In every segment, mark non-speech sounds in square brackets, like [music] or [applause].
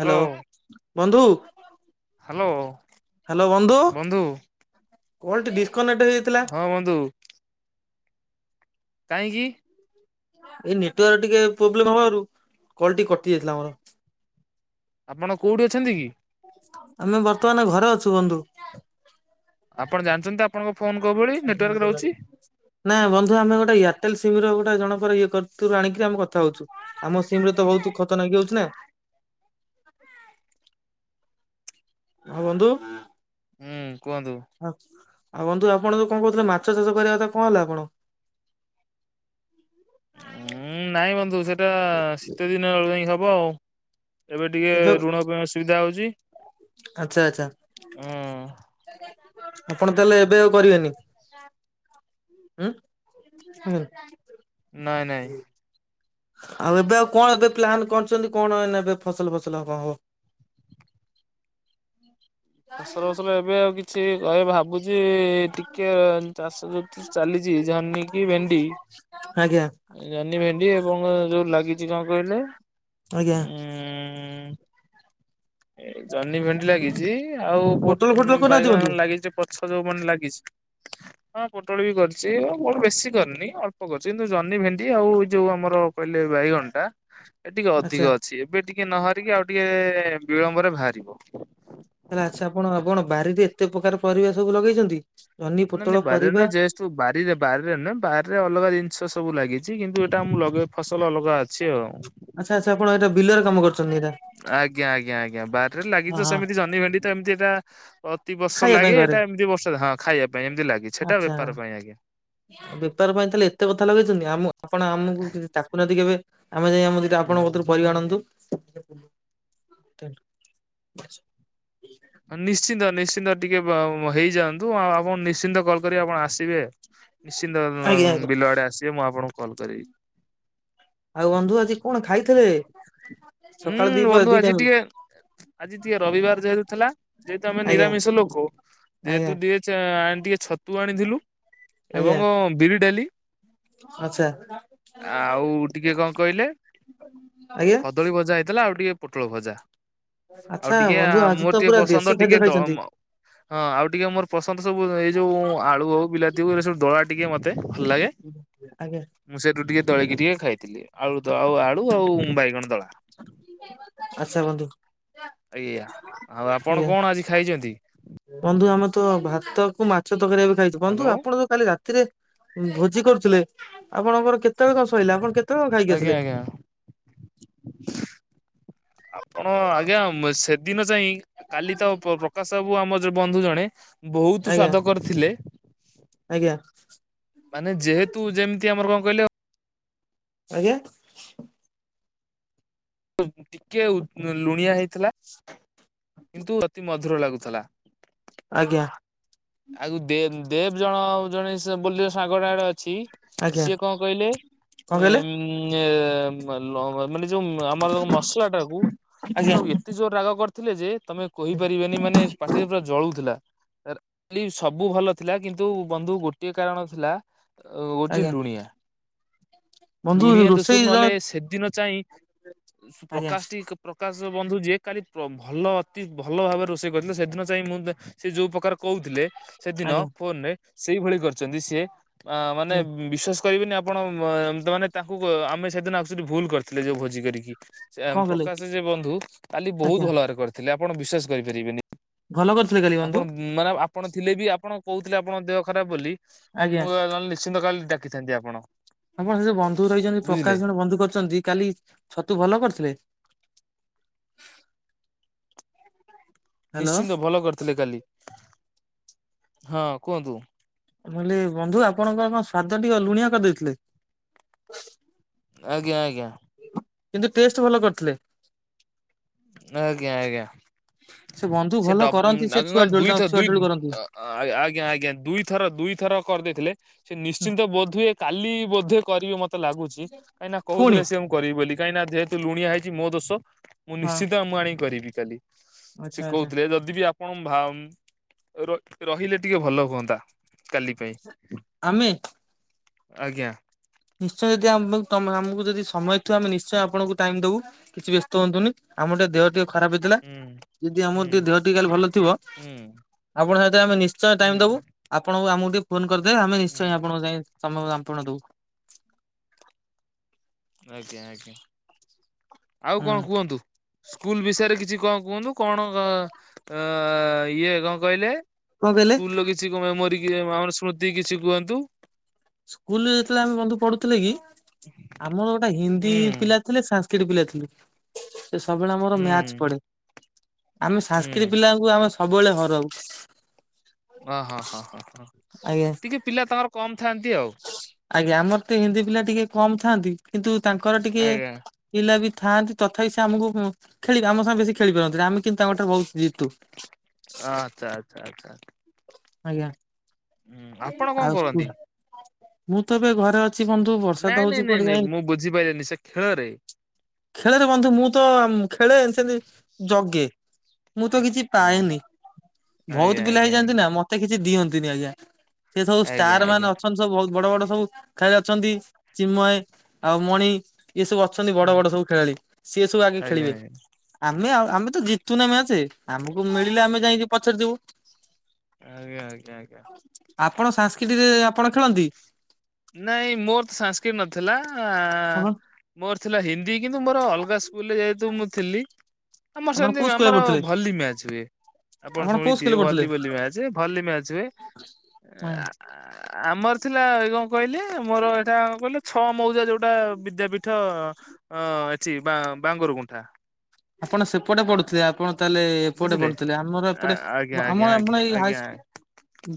Hello ବନ୍ଧୁ। Hello. Hello ବନ୍ଧୁ କଲଟି ଡିସ୍କନେକ୍ଟ ହେଇଯାଇଥିଲା। ହଁ ବନ୍ଧୁ। କାହିଁକି? ଏଇ ନେଟୱାର୍କ ର ଟିକେ ପ୍ରୋବ୍ଲେମ ହବାରୁ କଲ୍ ଟି କଟି ଯାଇଥିଲା ମୋର। ଆପଣ କୋଉଠି ଅଛନ୍ତି କି? ଆମେ ବର୍ତ୍ତମାନ ଘରେ ଅଛୁ ବନ୍ଧୁ। ଆପଣ ଜାଣିଚନ୍ତି ତା ଆପଣ ଙ୍କ ଫୋନ କ ବି [unintelligible] ନା ବନ୍ଧୁ ଆମେ ଗୋଟେ ଇୟାରଟେଲ ସିମ୍ ର ଗୋଟେ ଜଣକର ଇଏ କରତୂରୁ ଆଣିକି ଆମେ କଥା ହଉଚୁ। ଆମ ସିମ ରେ ତ ବହୁତ ଖତ ନାଗିହଉଚି ନା। ହଁ ବନ୍ଧୁ। ହୁଁ କୁହନ୍ତୁ। ଆଉ ବନ୍ଧୁ ଆପଣ ଯୋଉ କଂ କହୁଥିଲେ ମାଛ ଚାଷ କରିବା କଥା କଣ ହେଲା ଆପଣ ଉଁ ନାଇଁ ବନ୍ଧୁ ସେଟା ଶୀତ ଦିନ ବେଳୁଇଁ ହବ ଆଉ। ଏବେ ଟିକେ ଋଣ ପାଇଁ ଅସୁବିଧା ହଉଚି। ଆଛା ଆଛା ଆପଣ ତାହେଲେ ଏବେ ଆଉ କରିବେନି। ହଁ ହୁଁ। ନାଇଁ ନାଇଁ। ଆଉ ଏବେ ଆଉ କଣ ଏବେ ପ୍ଲନ୍ କରିଚନ୍ତି କଣ ଏନେ ବେ ଫସଲ ଫସଲ ହବଣ ହବ। [inaudible] ଫସଲ ଫସଲ ଏବେ ଆଉ କିଛି କହେ ଭାବୁଛି ଟିକେ ଚାଷ ଯୋଉ ଚାଲିଛି ଜହ୍ନି କି ଭେଣ୍ଡି ଆଜ୍ଞା। ଜହ୍ନି ଭେଣ୍ଡି ଏବଂ ଯୋଉ ଯୋଉ ଲାଗିଚି କଂ କହିଲେ ଆଜ୍ଞା ଉଁ ହୁଁ ଏ ଜହ୍ନି ଭେଣ୍ଡି ଲାଗି ଚି ଆଉ ପୋଟଳ ଉଟ୍ ଫୋଟଳ ଉଁ କୋଉଦିନ ବାଇଗଣ ଦିଅନ୍ତୁ ଲାଗିଚି ଯେ ପ ଛ ଜଉ ମଣ ଲାଗିଚି ହଁ ପୋଟଳ ବି କରିଚି ଆକୋଣ ବେଶୀ କରିନି ଅଳ୍ପ କରିଚି କି ନ୍ତୁ ଜହ୍ନି ଭେଣ୍ଡି ଆଉ ଏଇ ଯୋଉ ଆମର କହିଲେ ବାଇଗଣ୍ଟା ଏ ଟିକେ ଆଚ୍ଛା ଅଧିକ ଅଛି। ଏବେ ଟିକେ ନ ହରିକି ଆଉ ଟିକେ ବିଳମ୍ବରେ ଭାଆରିବ। ତାଲେ ଆଚ୍ଛା ଆପଣ ଆପଣ ବାରିରେ ଏତେ ପ୍ରକାର ପରିବା ସବୁ ଲଗେଇଛନ୍ତି ଜହ୍ନି ପୋଟଳ ପରିବା। ତୁ ବାରିରେ ବାରିରେ ନ ବାରିରେ ଅଲଗା ଜିନିଷ ସବୁ ଲାଗିଛି କିନ୍ତୁ ଏଇଟା ମୁ ଲଗ ଫସଲ ଲଗା ଅଛି ଆଉ ଆଚ୍ଛା ଆଚ୍ଛା ଆପଣ ଏଟା ବିଲରେ କାମ କରୁଛନ୍ତି ଏଇଟା ଆଜ୍ଞା ଆଜ୍ଞା ଆଜ୍ଞା ବାରିରେ ଲାଗିଛି ହଁ ତ ହଁ ସେମିତି ଜହ୍ନି ଭେଣ୍ଡି ତ ଏମିତି ଏଟା ଅତି ବର୍ଷ ଖାଇବା ପାଇଁ ଲାଗେ ଘରେ ଏଇଟା ଏମିତି ବର୍ଷ ହଁ ଖାଇବା ପାଇଁ ଏମିତି ଲାଗି ସେଟା ଆଚ୍ଛା ବେପାର ପାଇଁ ଆଜ୍ଞା। ବେପାର ପାଇଁ ତାହେଲେ ଏତେ କଥା ଲଗେଇଛନ୍ତି ଆମ ଆପଣ ଆମକୁ ତାକୁନାହାନ୍ତି କେବେ ଆମେ ଯାଇ ଆମ ଦିଟା ଆପଣଙ୍କ କତିରୁ ପରିବା ଆଣନ୍ତୁ। ନିଶ୍ଚିନ୍ତ ନିଶ୍ଚିନ୍ତ ଟିକେ ବ ହେଇଯାଆନ୍ତୁ ଆ ଆପଣ ନିଶ୍ଚିନ୍ତ କଲ୍ କରିବେ ଆପଣ ଆସିବେ। ନିଶ୍ଚିନ୍ତ ଆଜ୍ଞା ଆଜ୍ଞା ବିଲ ଆଡ଼େ ଆସିବେ ମୁଁ ଆପଣଙ୍କୁ କଲ୍ କରିବି। ଆଉ ବନ୍ଧୁ ଆଜି କଣ ଖାଇଥିଲେ? [inaudible] ଦିପ ହୁଁ ବନ୍ଧୁ ଦି ଆଜି ଟାଇମ୍ ଟିକେ ଆଜି ଟିକେ ରବିବାର ଯେହେତୁ ଥିଲା ଯେହେତୁ ଆମେ ଆଜ୍ଞା ନିରାମିଷ ଲୋକ ଆଜ୍ଞା ଯେହେତୁ ଟିକେ ଚ ଆଣ ଟିକେ ଛତୁ ଆଣିଥିଲୁ। ଆଜ୍ଞା ଏବଂ ବିରି ଡାଲି ଆଚ୍ଛା। ଆଉ ଟିକେ କଣ କହିଲେ? ଆଜ୍ଞା। କଦଳୀ ଭଜା ହେଇଥିଲା ଆଉ ଟିକେ ପୋଟଳ ଭଜା ଆଚ୍ଛା ଆଉ ଟିକେ ଆ ବନ୍ଧୁ ଆଜି ତ ମୋର ଟିକେ ପୁରା ଦେଶୀ ପସନ୍ଦ ଖାଦ୍ୟ ଟିକେ ଖାଇଛନ୍ତି। ଦମ ହଁ ଆଉ ଟିକେ ମୋର ପସନ୍ଦ ସବୁ ଏଇ ଯୋଉ ଆଳୁ ହଉ ବିଲାତି ହଉ ଏରା ସବୁ ଦଳା ଟିକେ ମତେ ଭଲ ଲାଗେ। ଆଜ୍ଞା। ମୁଁ ସେଇଠୁ ଟିକେ ଦଳିକି ଟିକେ ଖାଇଥିଲି ଆଳୁ ଆଉ ଆଳୁ ଆଉ ବାଇଗଣ ଦଳା। ଅଚ୍ଛା ବନ୍ଧୁ। ଏଇଆ ଆଉ ଆପଣ ଆଜ୍ଞା କଣ ଆଜି ଖାଇଛନ୍ତି? ବନ୍ଧୁ ଆମେ ତ ଭାତ କୁ ମାଛ ତରକାରି ଏବେ ଖାଇଛୁ ବନ୍ଧୁ ହ୍ୟାଲୋ ଆପଣ ତ କାଲି ରାତିରେ ଭୋଜି କରୁଥିଲେ ଆପଣଙ୍କର କେତେବେଳେ କଣ ସଇଲା ଆପଣ କେ ଆଜ୍ଞା ଆଜ୍ଞା। ଆପଣ ଆଜ୍ଞା ସେଦିନ ଚାହିଁ କାଲି ତ ପ୍ରକାଶ ବାବୁ ଆମ ବନ୍ଧୁ ଜଣେ ବହୁତୁ ଆଜ୍ଞା ସ୍ଵାଦ କରିଥିଲେ ଆଜ୍ଞା। ମାନେ ଯେହେତୁ ଯେମିତି ଆମର କଣ କହିଲ? ଆଜ୍ଞା। ଟିକେଉ ଲୁଣିଆ ହେଇଥିଲା କିନ୍ତୁ ଅତି ମଧୁର ଲାଗୁଥିଲା। ଆଜ୍ଞା। ଆଉ ଦେ ଦେଵ୍ ଜଣ ଆଉ ଜଣେ ସେ ବୋଲି ଜଉ ସାଙ୍ଗଟା ଆଡ଼େ ଅ ଛି ଆଜ୍ଞା ସିଏ କଣ କହିଲେ କଣ କହିଲେ ଏ [unintelligible] ମାନେ ଯୋଉ ଆମର ଯ ମସଲା ଟାକୁ ଆଜ୍ଞା [unintelligible] ଏତେ ଜୋର ରାଗ କରିଥିଲେ ଯେ ତମେ କହିପାରିବେନି ମାନେ ପାଟିରେ ପୁରା ଜଳୁଥିଲା। କାଲି ସବୁ ଭଲ ଥିଲା କିନ୍ତୁ ବନ୍ଧୁ ଗୋଟିଏ କାରଣ ଥିଲା ଓ ଉଛି ଆଜ୍ଞା। ଲୁଣିିଆ ବନ୍ଧୁ ଲୁଣିଆ ରୋଷେଇ ଦୋଷରୁ ଜଣେ ନହେଲେ ସେଦିନ ଚାହିଁ ଆଜ୍ଞା ପ୍ରକାଶଟି ପ୍ରକାଶ ବନ୍ଧୁ ଯିଏ କାଲି ପ୍ର ଭଲ ଅତି ଭଲ ଭାବରେ ରୋଷେଇ କରିଥିଲେ ସେଦିନ ଚାହିଁ ମୁଁ ସେ ଯୋଉ ପ୍ରକାର କହୁଥିଲେ ସେଦିନ ଆଜ୍ଞା ଫୋନ୍ ରେ ସେଇଭଳି କରିଛନ୍ତି ସିଏ ମାନେ ବିଶ୍ଵାସ କରିବେନି ଆପଣ ମ ତା ମାନେ ତାଙ୍କୁ ଆମେ ସେଦିନ ଅକ୍ଚୁଆଲୀ ଭୁଲ କରିଥିଲେ ଯଉ ଭୋଜି କରିକି ସେ କଣ କଲେ ପ୍ରକାଶ ଯେ ବନ୍ଧୁ କାଲି ବହୁତ ଆଜ୍ଞା ଭଲ ଭାବରେ କରିଥିଲେ ଆପଣ ବିଶ୍ଵାସ କରିପାରିବେନି। ଭଲ କରିଥିଲେ କାଲି ଆପଣ ବନ୍ଧୁ? ମାନେ ଆପଣ ଥିଲେ ବି ଆପଣ କହୁଥିଲେ ଆପଣଙ୍କ ଦେହ ଖରାପ ବୋଲି ଆଜ୍ଞା। ମୁଁ ନିଶ୍ଚିନ୍ତ କାଲି ଡାକି ରଖିଥାଆନ୍ତି ଆପଣ? ଆପଣ ସେ ଯୋଉ ବନ୍ଧୁ ରହିଛନ୍ତି ବୁଝିଲେ ପ୍ରକାଶ ଜଣେ ବନ୍ଧୁ କରିଛନ୍ତି କାଲି ଛତୁ ଭଲ କରିଥିଲେ? ହ୍ୟାଲୋ ନିଶ୍ଚିନ୍ତ ଭଲ କରିଥିଲେ କାଲି ହଁ କୁହନ୍ତୁ? ମୁଁ କହିଲି ବନ୍ଧୁ ଆପଣଙ୍କ କଣ ସ୍ଵାଦ ଟିକିଏ ଲୁଣିଆ କରିଦେଇଥିଲେ? ଆଜ୍ଞା ଆଜ୍ଞା। କିନ୍ତୁ ଟେଷ୍ଟ ଭଲ କରିଥିଲେ। ଆଜ୍ଞା ଆଜ୍ଞା। ସେ ବନ୍ଧୁ ଭଲ କରନ୍ତି ସେ ଡବ ଛୁଆ ଦୁଇଥର ଦୁଇ ଡୋଳି ଥର ଛୁଆ ଦୁଇ ଡୋଳି କରନ୍ତି। ଆ- ଆଜ୍ଞା ଆଜ୍ଞା ଦୁଇଥର ଦୁଇ ଥର କରିଦେଇଥିଲେ ସେ ନିଶ୍ଚିନ୍ତ ବୋଧ ହୁଏ କାଲି ବୋଧେ କରିବି ମତେ ଲାଗୁଛି କାହିଁ ନା ପୁଣି କହୁଥିଲେ ସିଏ ମୁଁ କରିବି ବୋଲି କାହିଁକି ନା ଯେହେତୁ ଲୁଣିଆ ହେଇଛି ମୋ ଦୋଷ। ମୁଁ ହଁ ନିଶ୍ଚିତ ମୁଁ ଆଣି କରିବି କାଲି ସେ ଆଚ୍ଛା ଆଚ୍ଛା। କହୁଥିଲେ ଯଦି ବି ଆପ ଆପ ଭାମ ଉ ରହିଲେ ଟିକେ ଭଲ ହୁଅନ୍ତା। କାଲି ପାଇଁ ଆମେ ଆଜ୍ଞା। ନିଶ୍ଚୟ ଯଦି ଆମ ତମକୁ ଆମକୁ ଯଦି ସମୟ ଥିବ ଆମେ ନିଶ୍ଚୟ ଆପଣଙ୍କୁ ଟାଇମ ଦବୁ। କିଛି ବ୍ୟସ୍ତ ହଅନ୍ତୁନି ଆମ ଟିକେ ଦେହ ଟିକେ ଖରାପ ହେଇଥିଲା। ହୁଁ ଯଦି ଆମର ହୁଁ ଟିକେ ଦେହ ଟିକେ ଖାଲି ଭଲ ଥିବ ହୁଁ ଆପଣ ସହିତ ଆମେ ନିଶ୍ଚୟ ଟାଇମ ଦବୁ। ହୁଁ ଆପଣଙ୍କୁ ଆମକୁ ଟିକେ ଫୋନ କରିଦେବେ ଆମେ ହୁଁ। ନିଶ୍ଚୟ ଆପଣଙ୍କ ସାଙ୍ଗେ ସମୟ [unintelligible] ଦବୁ। ଆଉ କଣ କୁହନ୍ତୁ? ସ୍କୁଲ ବିଷୟରେ କିଛି କଣ କୁହନ୍ତୁ କଣ ଅ ଇଏ କଣ କହିଲେ? କଣ କହିଲେ? ସ୍କୁଲର କିଛି କ ମେମୋରି ମ ଆମର ସ୍ମୃତି କିଛି କୁହନ୍ତୁ? ସ୍କୁଲରେ ଯେତେବେଳେ ଆମେ ବନ୍ଧୁ ପଢୁଥିଲେ କି ଆମର ଗୋଟେ ହିନ୍ଦୀ ହୁଁ ପିଲା ଥିଲେ ସାକ୍ରିଟ ପିଲା ଥିଲେ। ସେ ସବୁବେଳେ ଆମର ହୁଁ ମ୍ୟାଚ ପଡେ ଆମେ ହୁଁ ସାଂସ୍କିଟି ପିଲାଙ୍କୁ ଆମେ ସବୁବେଳେ ହରଉ। ଅ ହଁ ହଁ ହଁ ହଁ ଆଜ୍ଞା। ଟିକେ ପିଲା ତାଙ୍କର କମ୍ ଥାଆନ୍ତି ଆଉ। ଆଜ୍ଞା ଆମର ତ ହିନ୍ଦୀ ପିଲା ଟିକେ କମ ଥାଆନ୍ତି କିନ୍ତୁ ତାଙ୍କର ଟିକେ ଆଜ୍ଞା ପିଲା ବି ଥାଆନ୍ତି ତଥାପି ସେ ଆମକୁ ହୁଁ ଖେଳିବେ ଆମ ସାଙ୍ଗେ ବେଶୀ ଖେଳିବେ ମଝିରେ ଆମେ କିନ୍ତୁ ତାଙ୍କଠାରୁ ବହୁତ ଜିତୁ। ଅ ଆଛା ଆଛା ଆଛା। ଆଜ୍ଞା ଆପଣ କଣ ଆଉ କରନ୍ତି? ମୁଁ ତ ଏବେ ଘରେ ଅ ଅଛି ବନ୍ଧୁ ବର୍ଷା ନାଇଁ ତ ନାଇଁ ହଉଛି ନାଇଁ କୁଆଡେ ନାଇଁ ଯାଇନି। ମୁଁ ବୁଝିପାରିଲିନି ସେ ଖେଳରେ ଖେଳେରେ ବନ୍ଧୁ ମୁଁ ତ ଖେଳେ ସେମତି ଜଗେ ମୁଁ ତ କିଛି ଆଜ୍ଞା ପାଏନି ଆଜ୍ଞା ବହୁତ ପିଲା ଆଜ୍ଞା ହେଇଯାନ୍ତି ଆଜ୍ଞା ନା ମତେ କିଛି ଦିଅନ୍ତିନି ଆଜ୍ଞା। ସେ ସବୁ ଆଜ୍ଞା ଷ୍ଟାରମାନେ ଆଜ୍ଞା ଅଛନ୍ତି। ସବୁ ବହୁ ବଡ ବଡ ସବୁ ଖେଳାଳି ଅଛନ୍ତି ଚିନ୍ମୟ ଆଉ ମଣି ଏ ସବୁ ଅଛନ୍ତି ବଡ ବଡ ସବୁ ଖେଳାଳି, ସିଏ ସବୁ ଆଗେ ଆଜ୍ଞା ଆଜ୍ଞା ଖେଳିବେ। ଆମେ ଆଉ ଆମେ ତ ଜିତୁନା ମ୍ୟାଚେ ଆମକୁ ମିଳିଲେ ଆମେ ଯାଇକି ପଛରେ ଯିବୁ। ଆଜ୍ଞା ଆଜ୍ଞା ଆଜ୍ଞା। ଆପଣ ସାଂସ୍କିଟିରେ ଆପଣ ଖେଳନ୍ତି? ନାଇଁ ମୋର ତ ସାଂସ୍କିଟ୍ ନଥିଲା ଆ ଆପଣ ମୋର ଥିଲା ହିନ୍ଦୀ କିନ୍ତୁ ମୋର ଅଲଗା ସ୍କୁଲରେ ଯେହେତୁ ମୁଁ ଥିଲି। ଆମର ଆପଣ କୋଉ ସେମିତି ସ୍କୁଲରେ ଆମର ପଢୁଥିଲେ ଭଲି ମ୍ୟାଚ ହୁଏ। ଆପଣ କୋଉ ଶୁଣିଥିବେ ସ୍କୁଲରେ ଭଲି ବୋଲି ମ୍ୟାଚ ଭଲି ମ୍ୟାଚ ହୁଏ। ହାଁ। ଆମର ଥିଲା ଏଇ କଁ କହିଲେ ମୋର ଏଇଟା କଁ କହିଲେ ଛଅ। ମଉଜା ଯୋଉଟା ବିଦ୍ୟାପୀଠ ଅ ଏଠି ବା ବାଙ୍ଗୁରୁ ଗୁଣ୍ଠା। ଆପଣ ସେପଟେ ପଢୁଥିଲେ ଆପଣ ତାହେଲେ। ଏପଟେ ବୁଝିଲେ ପଢୁଥିଲେ ଆମର ଏପଟେ ଆଜ୍ଞା ଆଜ୍ଞା ଆମ ଆଜ୍ଞା ଆମର ଏଇ ଆଜ୍ଞା। ହାଇସ୍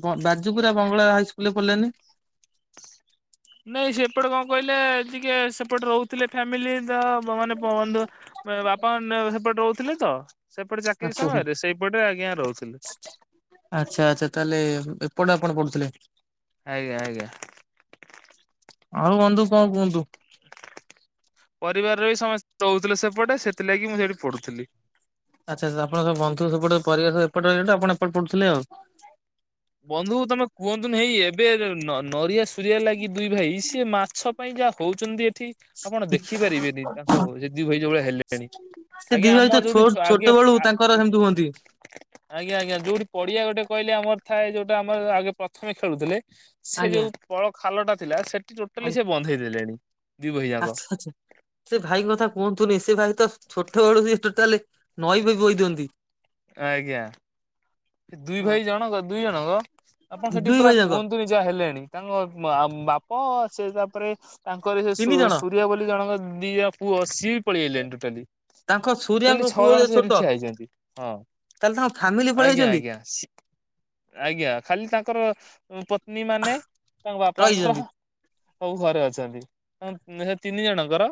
ବ ବାଜୁପୁରା ବଙ୍ଗଳା ହାଇସ୍କୁଲରେ ପଢିଲେନି। ନାଇଁ ସେପଟେ କଁ କହିଲେ ଟିକେ ସେପଟେ ରହୁଥିଲେ ଫ୍ୟାମିଲି ତ। ମାନେ ପ ବ ବାପା ମାନେ ସେପଟେ ରହୁଥିଲେ ତ। ସେପଟେ ଚାକିରି ଆଚ୍ଛା ସମୟରେ ସେଇପଟେ ଆଜ୍ଞା ରହୁଥିଲି। ଆଚ୍ଛା ଆଚ୍ଛା ତାହେଲେ ଏପଟେ ଆପଣ ପଢୁଥିଲେ। ଆଜ୍ଞା ଆଜ୍ଞା। ଆଉ ବନ୍ଧୁ କଁ କୁହନ୍ତୁ। ପରିବାର ର ବି ସମସ୍ତେ ରହୁଥିଲେ ସେପଟେ ସେଥିଲାଗି ମୁଁ ସେଠି ପଢୁଥିଲି। ଆଚ୍ଛା ଆଛା ଆପଣଙ୍କ ବୁନ୍ଧୁ ସେପଟେ ପରିବାର ସବୁ ଏପଟେ ରହିଗଲେ ଆପଣ ଏପଟେ ପଢୁଥିଲେ ଆଉ। ବନ୍ଧୁ ତମେ କୁହନ୍ତୁନି ହେଇ ଏବେ ନ ନ ନରିଆ ସୁରିଆ ଲାଗି ଦୁଇ ଭାଇ ସିଏ ମାଛ। ପାଇଁ ଯାହା ହଉଛନ୍ତି ଏଠି ଆପଣ ଦେଖି ପାରିବେନି ତାଙ୍କ କୁ ସେ ଦି ଭାଇ ଯୋଉଭଳିଆ ହେଲେଣି। ସେ ଦି ଆଜ୍ଞା ଭାତ ଆମର ତ ଛୋ ଯୋଉଠି ଛ ଆଗେ ଛୋଟବେଳୁ ଆ ତାଙ୍କର ଆ- ସେମିତି ହୁଅନ୍ତି। ଆଜ୍ଞା ଆଜ୍ଞା ଯୋଉଠି ପଡିଆ ଗୋଟେ କହିଲେ ଆମର ଥାଏ ଯୋଉଟା ଆମର ଆଗେ ପ୍ରଥମେ ଖେଳୁଥିଲେ। ସେ ଆଜ୍ଞା ଯୋଉ ପଳ ଖାଲଟା ଥିଲା ସେଠି ଟୋଟାଲି ଆଜ୍ଞା ସେ ବନ୍ଧେଇ ଦେଲେଣି। ଦି ଭାଇ ଯାକ ଆଚ୍ଛା ଆଚ୍ଛା ସେ ଭାଇଙ୍କ କଥା କୁହନ୍ତୁନି ସେ ଭାଇତ ଛୋଟ ବେଳୁ ବି ଟୋଟାଲେ। ନଈ ବି ବୋହି ଦିଅନ୍ତି। ଆଜ୍ଞା ସେ ଦୁଇ ଭାଇ ଜଣଙ୍କ ଦୁଇ ଜଣଙ୍କ ଆପଣ ସେଠି ଦୁଇ ପୁରା ଭାଇ ଯାଙ୍କ କୁହନ୍ତୁନି। ଯା ହେଲେଣି ତାଙ୍କ ଆ ମ୍ ବାପ ସେ ତାପରେ ତାଙ୍କରି ସେ ତିନି ସୁ ଜଣ। ସୁରିଆ ବୋଲି ଜଣଙ୍କ ଦି ଜଣ ପୁଅ ସିଏ ପଳେଇ ଆଇଲେଣି ଟୋଟାଲି ତାଙ୍କ ସୁରିଆଙ୍କ ଟୋଟାଲି ଛଅ ପୁଅ ଯେ ଜଣ ଛୋଟ ସେଠି ଠିଆ ହେଇଛନ୍ତି ହଁ। ତାହେଲେ ତାଙ୍କ ଫାମିଲି। ଆଜ୍ଞା ଆଜ୍ଞା ସି। ଆଜ୍ଞା ଖାଲି ତାଙ୍କର ଉଁ ପତ୍ନୀ ମାନେ ତାଙ୍କ ବାପାଙ୍କର। ରହିଛନ୍ତି ସବୁ ଘରେ ଅଛନ୍ତି ଉଁ ସେ ତିନି ଜଣଙ୍କର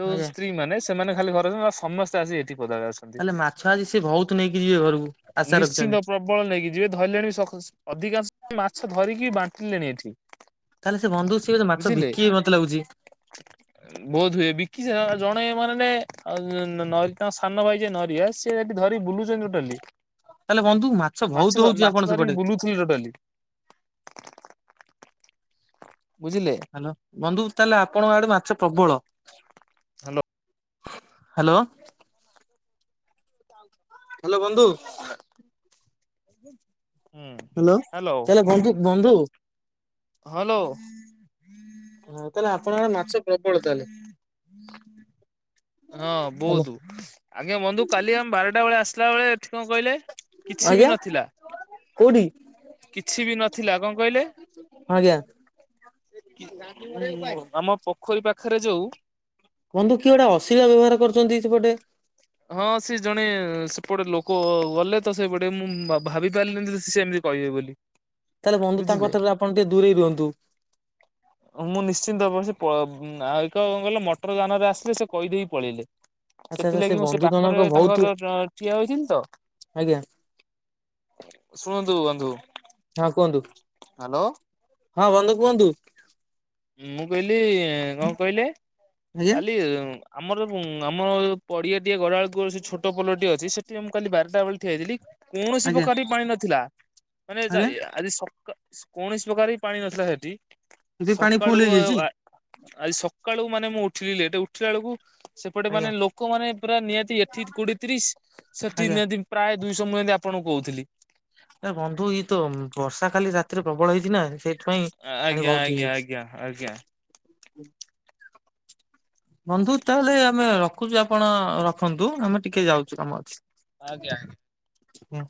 ଯୋଉ ଆଜ୍ଞା। ସ୍ତ୍ରୀ ମାନେ। ସେମାନେ ଖାଲି ଘରେ ଅଛନ୍ତି ନହେଲେ ସମସ୍ତେ ଆସି ଏଇଠି ପଦାରେ ଅଛନ୍ତି। ତାହେଲେ ମାଛ ଆଜି ସିଏ ବହୁତ ନେଇକି ଯିବେ ଘରୁକୁ। ନିଶ୍ଚିନ୍ତ ପ୍ରବଳ ନେଇକି ଯିବେ ଧରିଲାଣି ଅଧିକାଂଶ ମାଛ ଧରିକି ବାଣ୍ଟିଲେଣି ଏଠି। ତାହେଲେ ସେ ବନ୍ଧୁ ସିଏ ବୋଧେ ମାଛ ବିକିବେ ମତେ ଲାଗୁଛି। ବୋଧୁ ଏ ବିକି ସେ ଜଣେ ମାନେ ନେ ଆ ନ ନ ତାଙ୍କ ସାନ ଭାଇ ଯେ ନରିଆ ସି ସିଏ ସେଠି ଧରିକି ବୁଲୁଛନ୍ତି ଟୋଟାଲି। ତାହେଲେ ବନ୍ଧୁ ମାଛ ବହୁତ ହଉଛି ଆପଣ ସେପଟେ। ଥିଲି ଟୋଟାଲି। ବୁଝିଲେ। ହାଲୋ ବନ୍ଧୁ ତାହେଲେ ଆପଣଙ୍କ ଆଡେ ମାଛ ପ୍ରବଳ। ହାଲୋ। ହାଲୋ। ହାଲୋ ବନ୍ଧୁ। ହୁଁ ହାଲୋ ହ୍ୟାଲୋ ତାହଲେ ବନ୍ଧୁ ବନ୍ଧୁ। ହଁ ଲୋ। ହଁ ତାହେଲେ ଆପଣଙ୍କର ମାଛ ପ୍ରବଳ ତାହେଲେ? ହଁ ହ୍ୟାଲୋ ବହୁତ ଆଜ୍ଞା ବନ୍ଧୁ କାଲି ଆମେ ବାରଟା ବେଳେ ଆସିଲା ବେଳେ ଏଠି କଣ କହିଲେ କିଛି ବି ଆଜ୍ଞା। ନଥିଲା କୋଉଠି କିଛି ବି ନଥିଲା କଣ କହିଲେ? ହଁ ଆଜ୍ଞା। ଆମ ପୋଖରୀ ପାଖରେ ଯୋଉ ବନ୍ଧୁ କିଏ ଗୋଟେ ଅଶୀଳା ବ୍ୟବହାର କରୁଛନ୍ତି ସେପଟେ? ହଁ ସିଏ ଜଣେ ସେପଟେ ଲୋକ ଗଲେ ତ ସେପଟେ ମୁଁ ଭାବି ପାରିଲିନି ସିଏ ଏମିତି କହିବେ ବୋଲି। ତାହେଲେ ବନ୍ଧୁ ତାଙ୍କ ବୁଝିଲେ ଠାରୁ ଆପଣ ଟିକେ ଦୂରେଇ ରୁହନ୍ତୁ। ମୁଁ ନିଶ୍ଚିନ୍ତ ଭାବରେ [unintelligible] ମଟର ଯାନରେ ଆସିଲେ ସେ କହିଦେଇକି ପଳେଇଲେ। ଆଚ୍ଛା ଆଚ୍ଛା ସେଥିଲାଗି ମୁଁ ସେ ବନ୍ଧୁ ଜଣକ ପାଖରେ ବହୁତ ତାଙ୍କର ଠିଆ ହୋଇଥିଲି ତ? ଆଜ୍ଞା ଶୁଣନ୍ତୁ ବନ୍ଧୁ। ହଁ କୁହନ୍ତୁ ହଁ ବନ୍ଧୁ କୁହନ୍ତୁ? ମୁଁ କହିଲି କଣ କହିଲେ ଆଜ୍ଞା କାଲି ଆମର ମୁଁ ଆମର ପଡିଆ ଟିଏ ଗଡବେଳକୁର ସେ ଛୋଟ ପୋଲଟି ଅଛି ସେଠି ମୁଁ କାଲି ବାରଟା ବେଳେ ଠିଆହେଇ ଥିଲି। କୌଣସି ଆଜ୍ଞା ପ୍ରକାର ପାଣି ନଥିଲା। ମାନେ ଆଜ୍ଞା [unintelligible] ଆଜି ସକା କୌଣସି ପ୍ରକାର ବି ପାଣି ନଥିଲା ସେଠି। ଯଦି ପାଣି ସକାଳୁ ଫୁଲ ହେଇଯାଇଛି ଆ ଆଜି ସକାଳୁ ମାନେ ମୁଁ ଉଠିଲା ବେଳକୁ ସେପଟେ ମାନେ ଆଜ୍ଞା ଲୋକମାନେ ପୁରା ନିହାତି ଏଠି କୋଡିଏ ତିରିଶ ସେଠି ଆଜ୍ଞା। ନିହାତି ପ୍ରାୟ ଦୁଇଶହ ମୁହନ୍ତି ଆପଣଙ୍କୁ କହୁଥିଲି। ଏ ବନ୍ଧୁ ଇଏ ତ ବର୍ଷା ଖାଲି ରାତିରେ ପ୍ରବଳ ହେଇଛି ନା ସେଇଥିପାଇଁ। ପାଣି ଆଜ୍ଞା ବହୁତ ଆଜ୍ଞା ହେଇଯାଇଛି। ଆଜ୍ଞା ଆଜ୍ଞା। ବନ୍ଧୁ ତାହେଲେ ଆମେ ରଖୁଛୁ ଆପଣ ରଖନ୍ତୁ ଆମେ ଟିକେ ଯାଉଛୁ କାମ ଆଜ୍ଞା ଆଜ୍ଞା। ଅଛି। ହୁଁ।